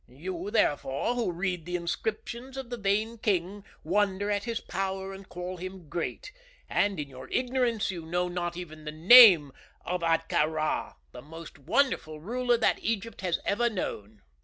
You, therefore, who read the inscriptions of the vain king wonder at his power and call him great; and, in your ignorance, you know not even the name of Ahtka Rā, the most wonderful ruler that Egypt has ever known."